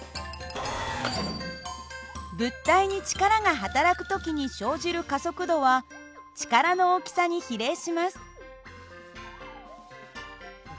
物体に力が働く時に生じる加速度は力の大きさに比例します。